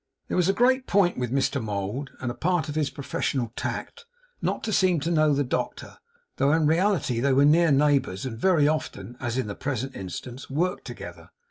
It was a great point with Mr Mould, and a part of his professional tact, not to seem to know the doctor; though in reality they were near neighbours, and very often, as in the present instance, worked together.